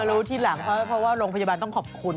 รู้ทีหลังเพราะว่าโรงพยาบาลต้องขอบคุณ